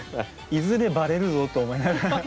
いずれバレるぞと思いながら。